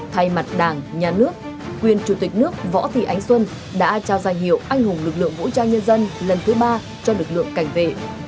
thay mặt đảng nhà nước quyền chủ tịch nước võ thị ánh xuân đã trao danh hiệu anh hùng lực lượng vũ trang nhân dân lần thứ ba cho lực lượng cảnh vệ